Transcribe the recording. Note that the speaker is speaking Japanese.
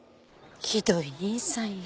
ひどい兄さんや。